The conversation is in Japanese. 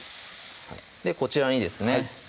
こちらにですね